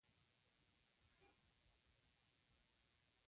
لومړنیو سوالونو ته جواب نه سي ویلای.